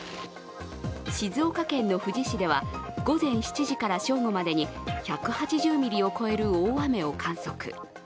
静岡県の富士市では、午前７時から正午までに１８０ミリを超える大雨を観測。